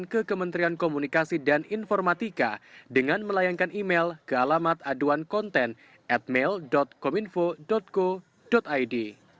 laporkan ke kementerian komunikasi dan informatika dengan melayangkan email ke alamat aduan konten at mail kominfo co id